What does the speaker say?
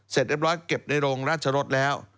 เสร็จเรียบร้อยเก็บในโรงราชรสแล้ว